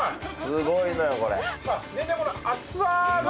すごいのよこれ。